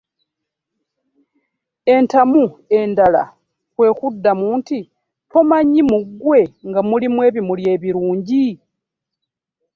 Entamu endala kwe kuddamu nti Tomanyi mu ggwe nga mulimu ebimuli ebirungi.